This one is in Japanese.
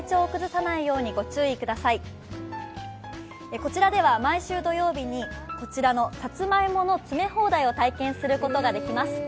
こちらでは毎週土曜日に、さつまいもの詰め放題を体験することができます。